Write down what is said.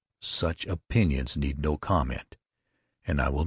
Such opinions need no comment, and I will make none.